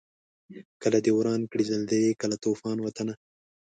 کله دي وران کړي زلزلې کله توپان وطنه